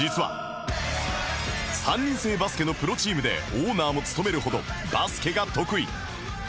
３人制バスケのプロチームでオーナーも務めるほどバスケが得意